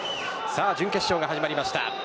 準決勝が始まりました。